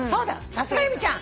さすが由美ちゃん！